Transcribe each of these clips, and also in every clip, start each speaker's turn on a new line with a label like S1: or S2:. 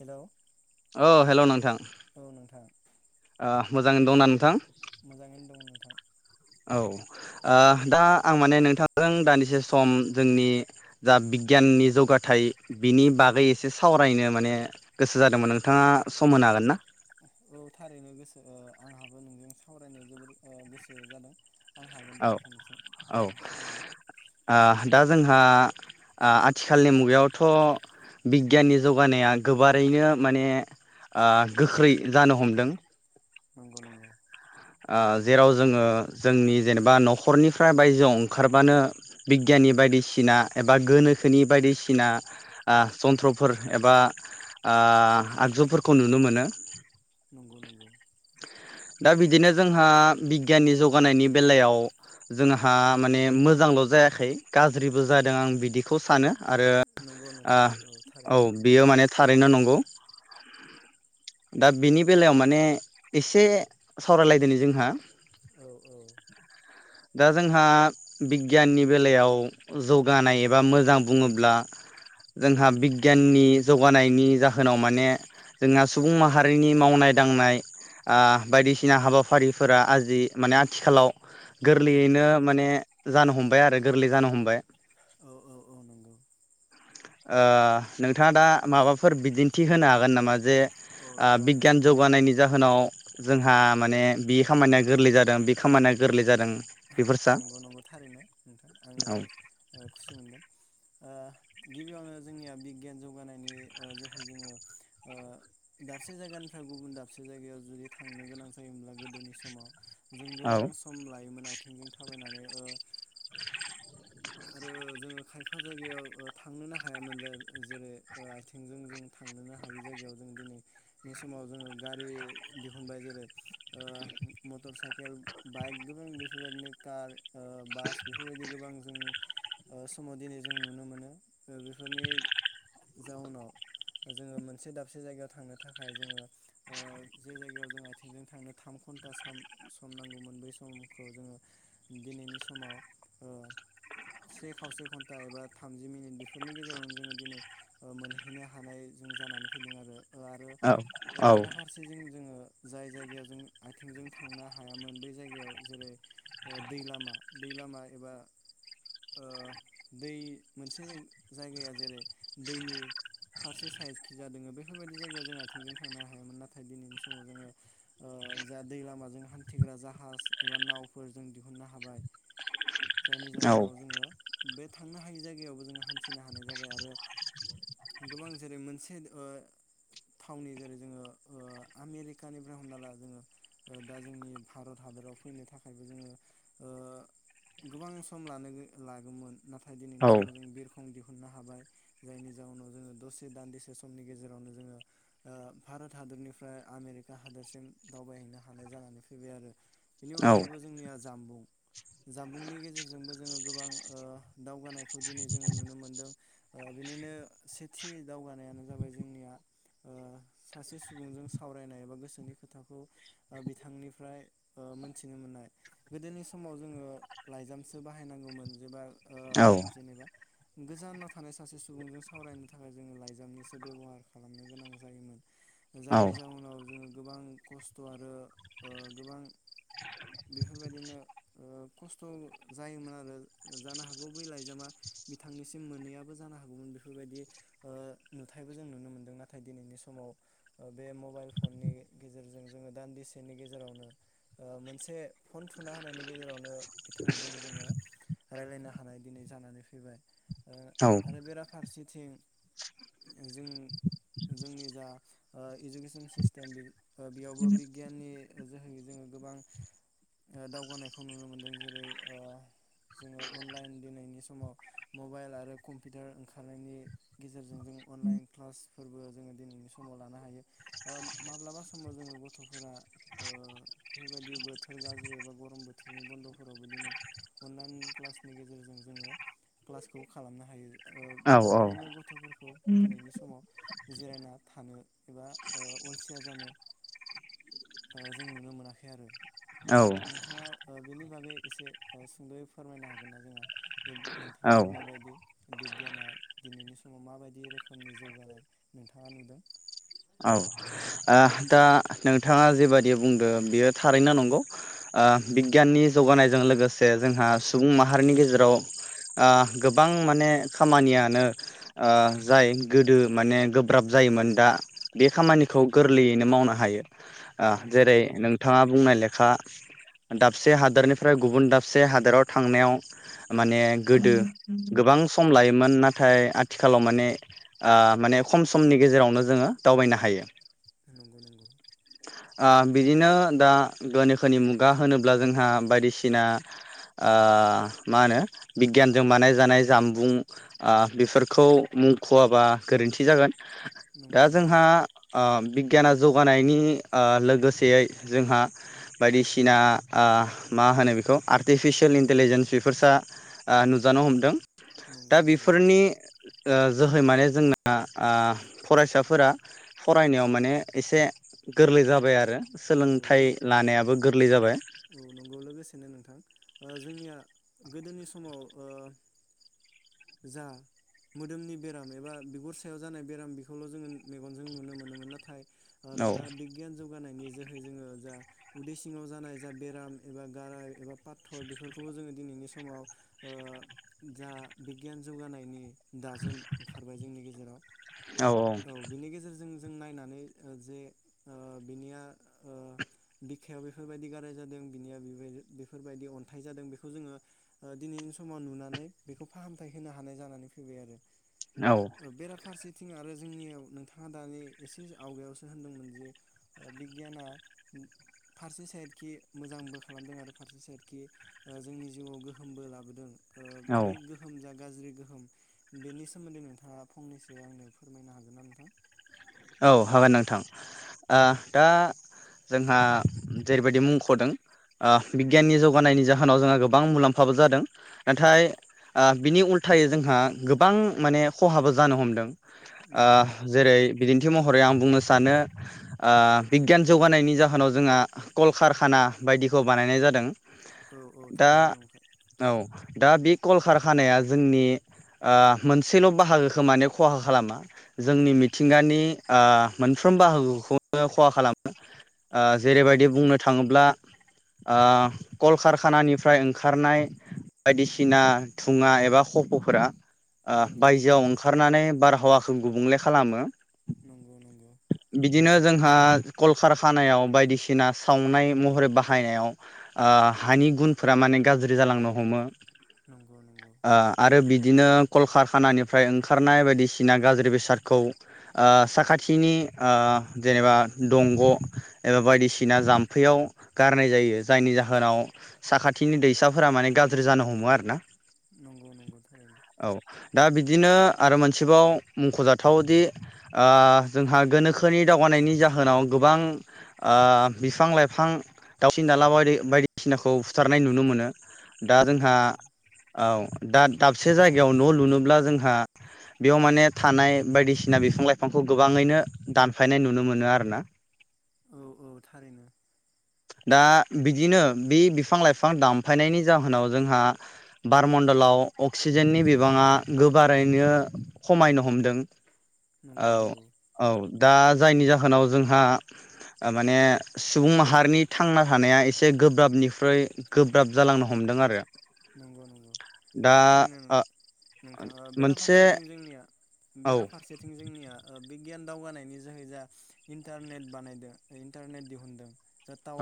S1: हेल'
S2: अ हेल' नोंथां।
S1: औ नोंथां।
S2: मोजाङै दंना नोंथां?
S1: मोजाङैनो दङ नोंथां।
S2: औ आ दा आं माने नोंथांजों दानदिसे सम जोंनि जा बिगियाननि जौगाथायाइ बिनि बागै एसे सावरायनो माने गोसो जादोंमोन नोंथाङा सम होनो हागोन ना?
S1: औ थारैनो गोसो ओ आंहाबो नोंजों सावरायनो जोबोर ओ गोसो जादों। आं हागोन दे
S2: औ
S1: नोंथां
S2: औ ओ
S1: नोंथांजों सावरायनो।
S2: दा जोंहा आ-आथिखालनि मुगायावथ' बिगियाननि जौगानाया गोबारैनो माने आ गोख्रै जानो हमदों
S1: नंगौ नंगौ।
S2: आ जेराव जोङो जोंनि जेनेबा न'खरनिफ्राय बायजोआव ओंखारबानो बिगियाननि बायदिसिना एबा गोनोखोनि बायदिसिना आ जन्थ्रफोर एबा आगजुफोरखौ नुनो मोनो।
S1: नंगौ नंगौ।
S2: दा बि दिनो जोंहा बिगियाननि जौगानायनि बेलायाव जोंहा माने मोजांल' जायाखै गाज्रिबो जादों आं बिदिखौ सानो। आरो
S1: नंगौ
S2: आ
S1: नोंथां
S2: औ
S1: थारैनो
S2: बियो माने थारैनो नं गौ दा बेनि बेलायाव माने एसे सावरायलायदोनि जोंहा।
S1: औ औ।
S2: दा जोंहा बिगियाननि बेलायाव जौगानाय एबा मोजां बुङोब्ला जोंहा बिगियाननि जौगानायनि जाहोनाव माने जोंहा सुबुं माहारिनि मावनाय दांनाय आ बायदिसि ना हाबाफारिफोरा आजि माने आथिखालाव गोरलैयैनो
S1: नंगौ
S2: माने जानो हमबाय आरो गोरलै जानो हमबाय
S1: औ औ औ नंगौ
S2: ओ नोंथाङा दा माबाफोर बिदिन्थि होनो हागोन नामा जे
S1: औ
S2: आ
S1: औ
S2: बिगियान
S1: थारैनो
S2: जौगानायनि जाहोनाव जों हा माने बे खामानिया गोरलै जादों बे खामानिया गोरलै जादों। बेफोरसा
S1: नंगौ नंगौ थारैनो नोंथां आङो
S2: औ
S1: खुसि मोनदों ओ गिबियावनो जोंनिया बिगियान जौगानायनि ओ जोहै जोङो ओ दाबसे जायगानिफ्राय गुबुन दाबसे जायगायाव जुदि थांनो गोनां जायोमोनब्ला गोदोनि समाव जों
S2: औ
S1: गोबां सम लायोमोन आथिंजों थाबायनानै ओ आरो जोङो खायफा जायगायाव ओ थांनोनो हायामोन जेरै आथिंजों जों थांनोनो हायि जायगायाव जों दिनैनि समाव जोङो गारि दिहुनबाय जेरै ओ मटर साइकेल बाइक गोबां बेफोर बायदिनो कार ओ बास बेफोर बायदि गोबां जोंनि ओ समाव दिनै जों नुनो मोनो ओ बेफोरनि जाउनाव जोङो मोनसे दाबसे जायगायाव थांनो थाखाय जोङो ओ जे जायगायाव जों आथिंजों थांनो थाम घन्टा साम सम नांगौमोन बै समखौ जोङो दिनैनि समाव ओ से खावसे घन्टा एबा थामजि मिनिट बेफोरनि गेजेरावनो जोङो दिनै ओ मोनहैनो हानाय जों जानानै फैदों आरो आरो
S2: औ
S1: ओ
S2: औ
S1: बेराफारसेजों जोङो जाय जायगायाव जों आथिंजों थांनो हायामोन बै जायगायाव जेरै ओ दै लामा दै लामा एबा ओ दै मोनसे जाय जायगाया जेरै दैनि फारसे साइदखिजा दङ बेफोरबायदि जायगायाव जोङो आथिंजों थांनो हायामोन नाथाय दिनैनि समाव जोङो ओ जा दै लामाजों हान्थिग्रा जाहाज एबा नावफोर जों दिहुननो हाबाय।
S2: औ
S1: इयुनाव जोङो बे थांनो हायि जायगायावबो जोङो हान्थिनो हानाय जाबाय आरो गोबां जेरै मोनसे ओ थावनि जेरै जोङो ओ आमेरिकानिफ्राय हमना ला जोङो ओ दा जोंनि भारत हादराव फैनो थाखायबो जोङो ओ गोबां सम लानोगो लागौमोन नाथाय दिनैनि समाव जों बिरखं दिहु ननो हाबाय जायनि जाउनाव जोङो दसे दान्दिसे समनि गेजेरावनो जोङो ओ भारत हादोरनिफ्राय आमेरिका हादोरसिम दावबायहैनो हानाय जानानै फैबाय आरो बेनि
S2: औ
S1: अनगायैबो जोंनिया जानबुं जाम्बुंनि गेजेरजों जोङो गोबां ओ दावगानाय खौ दिनै जोङो नुनो मोनदों। ओ बिनिनो सेथि दावगानायानो जाबाय जोंनिया ओ सासे सुबुंजों सावरायनाय एबा गोसोनि खोथाखौ ओ बिथांनिफ्राय ओ मोन्थिनो मोननाय। गोदोनि समाव जोङो लाइजाम सो बाहायनांगौमोन जेबा ओ जेनेबा गोजानाव थानाय सासे सुबुंजों सावरायनो थाखाय जोङो लाइजामनिसो बेब'हार खालामनो गोनां जायोमोन।
S2: औ
S1: जायनि जाउनाव जोङो गोबां खस्थ' आरो ओ गोबां बेफोरबायदिनो ओ खस्थ' जायोमोन आरो जानो हागौ बै लाइजामा बिथांनिसिम मोनैयाबो जानो हागौमोन बेफोरबायदि ओ नुथायबो जों नुनो मोनदों नाथाय दिनैनि समाव ओ बे मबाइल फननि गेजेरजों जोङो दान्दिसेनि गेजेरावनो ओ मोनसे फन थुना होनायनि गेजेरावनो थांजों जोङो रायलायनो हानाय दिनै जानानै फैबाय। ओ आरो बेराफारसे थिं जोंनि जोंनि जा ओय इजुकेसन सिस्टेम ओ बेयावबो बिगियाननि जोहै जोङो गोबां ओ दावगानायखौ नुनो मोनदों। जेरै ओ जोङो अनलाइन दिनैनि समाव मबाइल आरो कम्पिउटार ओंखारनायनि गेजेरजों जों अनलाइन क्लासफोरबो जोङो दिनैनि समाव लानो हायो। ओ माब्लाबा समाव जोङो गथ'फोरा ओ बेबायदि बोथोर गाज्रि एबा गरम बोथोरनि बन्द'फोरावबो दिनै अनलाइन क्लासनि गेजेरजों जोङो क्लासखौ खालामनो हायो। ओ
S2: औ
S1: बेफोरबायदिनो गथ'फोरखौ दिनैनि समाव जिरायना थानो एबा ओ अलसिया जानो ओ जों नुनो मोनाखै आरो।
S2: औ
S1: नोंथाङा ओ बेनि बागै एसे औ सुंद'यै फोरमायनो हागोन ना जोंहा? नोंथाङा नुनाय बायदि। बिगियाना दिनैनि समाव माबायदि रोखोमनि जौगानाय नोंथाङा नुदों।
S2: औ ओ दा नोंथाङा जेबादि बुंदों बियो थारैनो नंगौ। ओ बिगियाननि जौगानायजों लोगोसे जोंहा सुबुं माहारिनि गेजेराव ओ गोबां माने खामानियानो ओ जाय गोदो माने गोब्राब जायोमोन दा बे खामानिखौ गोरलैयैनो मावनो हायो। ओ
S1: नंगौ नंगौ
S2: जेरै नोंथाङा बुंनाय लेखा दाबसे हादोरनिफ्राय गुबुन दाबसे हादोराव थांनायाव माने गोदो गोबां सम लायोमोन नाथाय आथिखालाव माने ओ माने खम समनि गेजेरावनो जोङो दावबायनो हायो।
S1: नंगौ नंगौ।
S2: ओ बिदिनो दा गोनोखोनि मुगा होनोब्ला जोंहा बायदिसिना ओ मा होनो बिगियानजों बानायजानाय जामबुं ओ बेफोरखौ मुंखवाबा गोरोन्थि जागोन। दा
S1: नंगौ।
S2: जोंहा
S1: नंगौ
S2: ओ बि बिगियाना जौगानायनि ओ लोगोसेयै जोंहा बायदिसिना ओ मा होनो बेखौ आर्टिफिसियेल इन्टलिजेन्स बेफोरसा ओ नुजानो हमदों। दा
S1: नंगौ
S2: बेफोरनि ओ जोहै माने जोंना आं फरायसा फोरा फरायनायाव माने एसे गोरलै जाबाय आरो।
S1: नंगौ
S2: सोलोंथाइ
S1: लोगो औ
S2: लानायाबो गोरलै जाबाय।
S1: औ नंगौ लोगोसेनो नोंथां ओ जोंनिया गोदोनि समाव ओ जा मोदोमनि बेराम एबा बिगुर सायाव जानाय बेराम बेखौल जोङो मेगनजों नुनो मोनोमोन नाथाय ओ
S2: औ
S1: दा बिगियान जौगानायनि जोहै जोङो जा उदै सिङाव जानाय जा बेराम एबा गाराय एबा पाथर बेफोरखौबो जोङो दिनैनि समाव ओ जा बिगियान जौगानायनि दाजेम ओंखारबाय जोंनि गेजेराव। औ बिनि गेजेरजों जों नायनानै ओ जे ओ बिनिया ओ बिखायाव बेफोरबायदि गाराय जादों बिनिया बेबायदि बेफोरबायदि अन्थाइ जादों बेखौ जोङो ओ दिनैनि समाव नुनानै बेखौ फाहामथाय होनो हानाय जानानै फैबाय आरो।
S2: औ
S1: ओ बेराफारसे थिं आरो जोंनियाव नोंथाङा दानि एसे आवगायावसो होनदोंमोन जे बिगियाना फारसे साइडखि मोजांबो खालामदों आरो फारसे साइडखि ओ जोंनि जिउआव गोहोमबो लाबोदों। ओ
S2: औ
S1: बे गोहोम जा गाज्रि गोहोम बेनि सोमोन्दै नोंथाङा फंनैसो आंनो फोरमायनो हागोन ना नोंथां?
S2: औ हागोन नोंथां ओ दा जोंहा जेरैबायदि मुंख'दों ओ बिगियाननि जौगानायनि जाहोनाव जोंहा गोबां मुलाम्फाबो जादों नाथाय ओ बिनि उल्थायै जोंहा गोबां माने खहाबो जानो हमदों।
S1: नंगौ
S2: ओ
S1: नंगौ।
S2: जेरै बिदिन्थि महरै आं बुंनो सानो ओ बिगियान जौगानायनि जाहोनाव जोंहा कल कारखाना बायदिखौ बानायनाय जादों।
S1: औ औ
S2: दा
S1: थारैनो नंखाय नोंथां।
S2: औ दा बे कल कारखानाया जोंनि ओ मोनसेल बाहागोखो माने खहा खालामा जोंनि मिथिं थिंगानि ओ मोनफ्रोम बाहागोखौनो खहा खालामो। ओ
S1: औ औ
S2: जेरैबायदि बुंनो थाङोब्ला ओ कलकारखानानिफ्राय ओंखारनाय बायदिसिना दुङा एबा खफ'फोरा ओ
S1: नंगौ नंगौ
S2: बायजोआव ओंखारनानै बारहावाखौ गुबुंले खालामो।
S1: नंगौ नंगौ।
S2: बिदिनो जोंहा कलकार खानायाव बायदिसिना सावनाय महरै बाहायनायाव आ हानि गुनफोरा माने गाज्रि जालांनो हमो।
S1: नंगौ नंगौ।
S2: ओ आरो बिदिनो कलकारखानानिफ्राय ओंखारनाय बायदिसिना गाज्रि बेसादखौ ओ साखाथिनि ओ जेनेबा दंग' एबा बायदिसिना जाम्फैयाव गारनाय जायो जायनि जाहोनाव साखाथिनि दैसाफोरा माने गाज्रि जानो हमो आरोना।
S1: नंगौ नंगौ थारैनो।
S2: औ दा बिदिनो आरो मोनसेबाव मख'जाथावदि आ जोंहा गोनोखोनि दावगानायनि जाहोनाव गोबां आ बिफां लाइफां दाउसिन दावला बाय बायदिसिनाखौ बुथारनाय नुनो मोनो। दा
S1: नंगौ
S2: जोंहा
S1: नंगौ।
S2: औ दा दाबसे जायगायाव न' लुनोब्ला जोंहा बेयाव माने थानाय बायदिसि सिना बिफां लाइफांखौ गोबाङैनो दानफायनाय नुनो मोनो आरोना
S1: औ औ थारैनो
S2: दा बिदिनो बे बिफां लाइफां दामफायनायनि जाहोनाव जोंहा बारमण्डलाव अक्सिजेननि बिबाङा गोबारैनो खमायनो हमदों
S1: नंगौ
S2: औ
S1: नंगौ
S2: औ दा जायनि जाहोनाव जोंहा ओ माने सुबुं माहारिनि थांना थानाया एसे गोब्राबनिख्रुइ गोब्राब जालांनो हमदों आरो
S1: ओ
S2: दा
S1: थारैनो नोंथाङा
S2: मोनसे
S1: बेराफारसेथिं जोंनिया
S2: औ
S1: बेराफारसेथिं जोंनि ओ बै‌ गियान दावगानायनि जोहै जा इन्टारनेट बानायदों इन्टारनेट दिहुनदों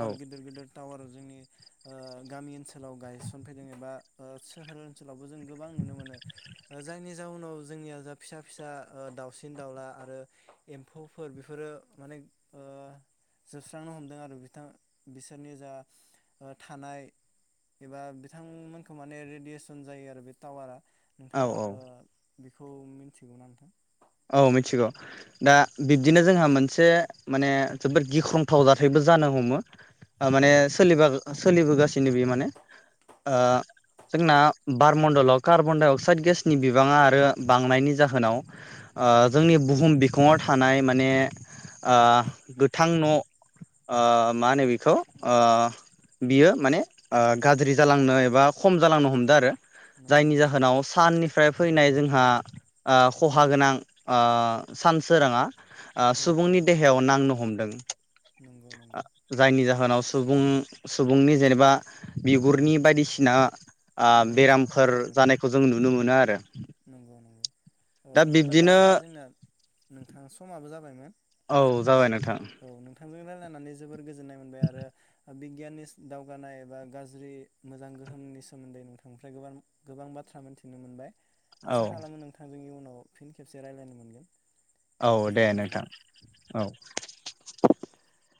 S2: औ
S1: गिदिर गिदिर टावार जोंनि ओ गामि ओनसोलाव गायसनफैदों एबा सहोर दाबो जों गोबां नुनो मोनो जायनि जाउनाव जोंनिया जा फिसा फिसा ओ दाउसिन दाउला आरो एम्फौफोर बेफोरो माने ओ जोबस्रांनो हमदों आरो बिथां बिसोरनि जा ओ थानाय एबा बिथांमोनखौ माने रेडियेस खम जायो आरो बे टावारा
S2: औ
S1: नोंथाङा
S2: औ
S1: ओ बेखौ मिथिगौना नोंथां?
S2: औ मिथिगौ दा बिब्दिनो जोंहा मोनसे माने जोबोद गिख्रंथाव जाथायबो जानो हमो
S1: औ
S2: ओमाने
S1: औ
S2: सोलि बा सोलिबोगासिनो बेयो माने ओ जोंना बारमण्डलाव कार्बन दडाइ अक्साइद गेसनि बिबाङा आरो बांनायनि जाहोनाव ओ
S1: नंगौ
S2: जोंनि
S1: नंगौ
S2: बुहुम बिखङाव था थानाय माने ओ गोथां न' ओ मा होनो बेखौ ओ बियो माने ओ गाज्रि जालांनो एबा खम जालांनो हमदों आरो
S1: नंगौ
S2: जायनि
S1: नंगौ
S2: जाहोनाव साननि फ्राय फैनाय जोंहा खहा गोनां ओ सान सोराङा ओ
S1: औ औ
S2: सुबुंनि देहायाव नांनो हम दों
S1: नंगौ
S2: आ
S1: नंगौ
S2: जायनि जाहोनाव
S1: थार
S2: सुबुं सुबुंनि जेनेबा बिगुरनि बायदिसिना आ
S1: बेराम जानो
S2: बेरामफोर
S1: हमो आरोना
S2: जानायखौ जों नुनो मोनो आर
S1: नंगौ नंगौ ओ ओमबा दा
S2: बिब्दिनो
S1: होमब्ला जोंना नोंथां समाबो जाब बायमोन
S2: औ जाबाय नोंथां
S1: थांजों रायलायनानै जोबोद गोजोननाय मोनबाय आरो आ बिगियाननिस दावगानाय एबा गाज्रि मोजां गोहोमनि सोमोन्दै नोंथांनिफ्राय गोबां गोबां बाथ्रा मोनथिनो मोनबाय।
S2: औ
S1: आसा खालामो नोंथांजोंनि उनाव फिन खेबसे रायलायनो मोनगोन।
S2: औ दे नोंथां औ। [inaudible]